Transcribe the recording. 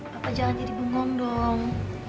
bapak jangan jadi bengong dong